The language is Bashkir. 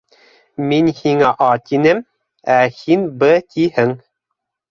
Мин һиңә «а» тием, ә һин «б» тиһең!